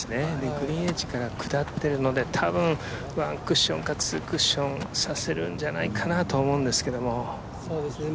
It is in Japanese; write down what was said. グリーンエッジから下っているので、多分ワンクッションかツークッションさせるんじゃないかなと思うんですけど。